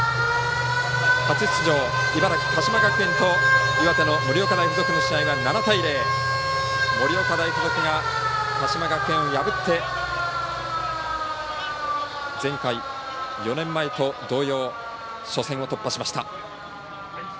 初出場、茨城、鹿島学園と岩手の盛岡大付属の試合は７対０、盛岡大付属が鹿島学園を破って前回、４年前と同様初戦を突破しました。